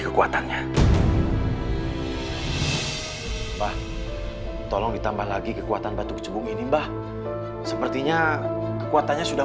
kekuatannya tolong ditambah lagi kekuatan batu kecubung ini bah sepertinya kekuatannya sudah